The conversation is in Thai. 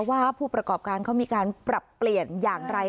ว่าผู้ประกอบการเขามีการปรับเปลี่ยนอย่างไร